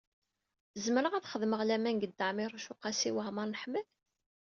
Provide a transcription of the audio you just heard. Zemreɣ ad xedmeɣ laman deg Dda Ɛmiiruc u Qasi Waɛmer n Ḥmed?